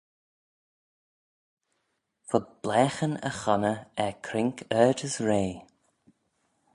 Fud blaaghyn y chonney er croink ard as rea.